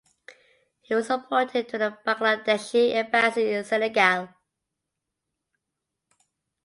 He was appointed to the Bangladeshi Embassy in Senegal.